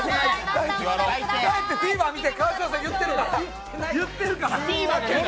帰ってＴＶｅｒ見て、川島さん言ってるから！